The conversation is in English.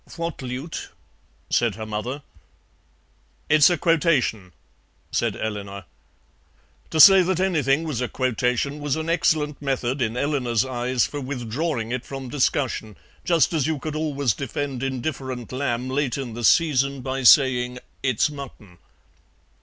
"What lute?" said her mother. "It's a quotation," said Eleanor. To say that anything was a quotation was an excellent method, in Eleanor's eyes, for withdrawing it from discussion, just as you could always defend indifferent lamb late in the season by saying "It's mutton."